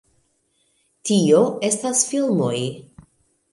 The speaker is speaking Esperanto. Tio estas filmoj